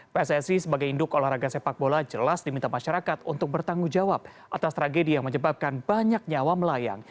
pssi sebagai induk olahraga sepak bola jelas diminta masyarakat untuk bertanggung jawab atas tragedi yang menyebabkan banyak nyawa melayang